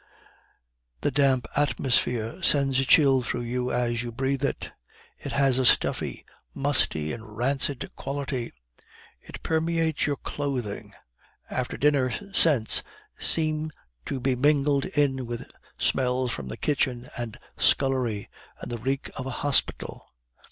The damp atmosphere sends a chill through you as you breathe it; it has a stuffy, musty, and rancid quality; it permeates your clothing; after dinner scents seem to be mingled in it with smells from the kitchen and scullery and the reek of a hospital.